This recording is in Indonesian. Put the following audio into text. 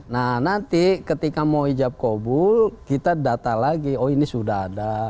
nah nanti ketika mau hijab kobul kita data lagi oh ini sudah ada